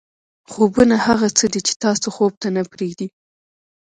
خوبونه هغه څه دي چې تاسو خوب ته نه پرېږدي.